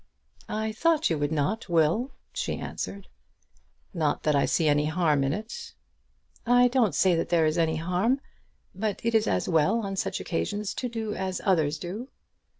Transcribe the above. "I thought you would not, Will," she answered. "Not that I see any harm in it." "I don't say that there is any harm, but it is as well on such occasions to do as others do."